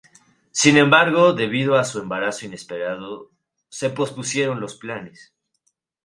Sin embargo, debido a su embarazo inesperado, se pospusieron los planes.